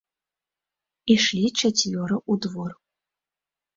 Ішлі чацвёра ў двор.